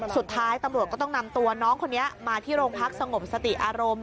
สุดท้ายตำรวจก็ต้องนำตัวน้องคนนี้มาที่โรงพักสงบสติอารมณ์